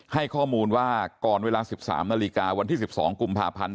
ให้ข้อมูลว่าก่อนเวลา๑๓นาฬิกาวันที่๑๒กุมภาพันธ์